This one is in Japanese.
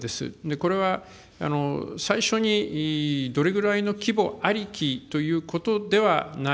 これは、最初にどれぐらいの規模ありきということではない。